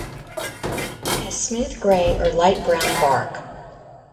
It has smooth grey or light brown bark.